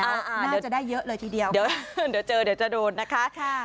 น่าจะได้เยอะเลยทีเดียวเดี๋ยวเจอเดี๋ยวจะโดนนะคะ